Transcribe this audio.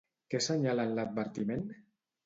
Què assenyala en l'advertiment?